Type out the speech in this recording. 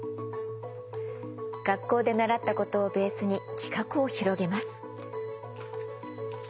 学校で習ったことをベースに企画を広げます。